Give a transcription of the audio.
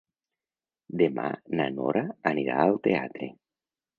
Demà na Nora anirà al teatre.